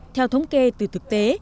theo thống kê từ thực tế